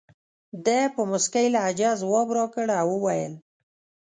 ده په موسکۍ لهجه ځواب راکړ او وویل.